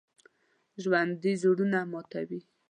ژوندي زړونه ماتوي